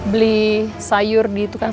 beli sayur di tukangkabung